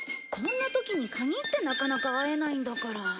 こんな時に限ってなかなか会えないんだから。